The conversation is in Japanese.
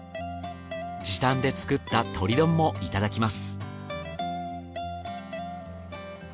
時短で作った鶏丼もいただきます。